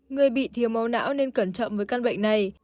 người bị thiếu máu não nên cẩn trọng với căn bệnh này